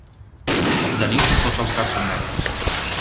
De nit tots els gats són negres.